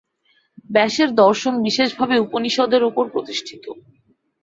ব্যাসের দর্শন বিশেষভাবে উপনিষদের উপর প্রতিষ্ঠিত।